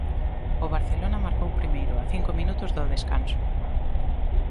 O Barcelona marcou primeiro, a cinco minutos do descanso.